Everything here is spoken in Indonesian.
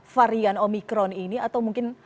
varian omikron ini atau mungkin